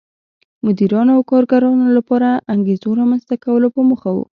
مدیرانو او کارګرانو لپاره انګېزو رامنځته کولو په موخه و.